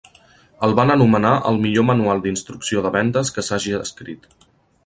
El van anomenar el millor manual d'instrucció de vendes que s'hagi escrit.